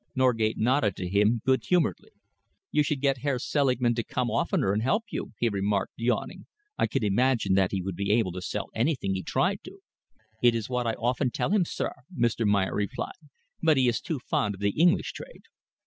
Norgate nodded to him good humouredly. "You should get Herr Selingman to come oftener and help you," he remarked, yawning. "I can imagine that he would be able to sell anything he tried to." "It is what I often tell him, sir," Mr. Meyer replied, "but he is too fond of the English trade."